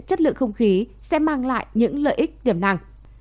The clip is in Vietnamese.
chất lượng không khí sẽ mang lại những lợi ích tiềm năng